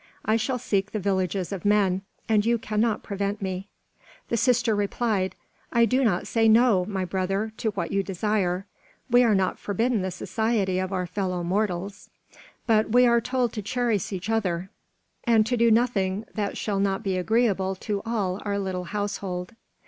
I shall seek the villages of men, and you can not prevent me." The sister replied: "I do not say no, my brother, to what you desire; we are not forbidden the society of our fellow mortals, but we are told to cherish each other, and to do nothing that shall not be agreeable to all our little household.